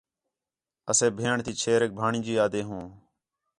اسے بھیݨ تی چھیریک بھاڑین٘جی آہدے ہوں